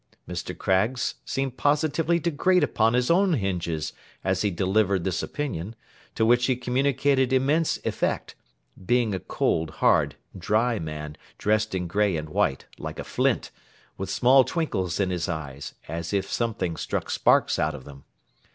Mr. Craggs seemed positively to grate upon his own hinges, as he delivered this opinion; to which he communicated immense effect—being a cold, hard, dry, man, dressed in grey and white, like a flint; with small twinkles in his eyes, as if something struck sparks out of them.